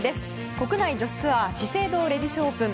国内女子ツアー資生堂レディスオープン。